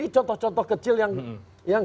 contoh contoh kecil yang